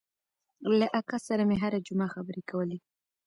له اکا سره مې هره جمعه خبرې کولې.